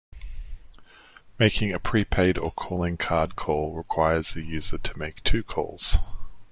Making a prepaid or calling card call requires the user to make two calls.